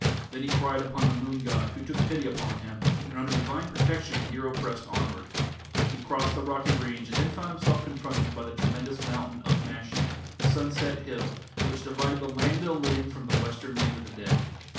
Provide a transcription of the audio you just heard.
Then he cried upon the moon god, who took pity upon him, and under divine protection the hero pressed onward. He crossed the rocky range and then found himself confronted by the tremendous mountain of Mashi "Sunset hill", which divided the land of the living from the western land of the dead.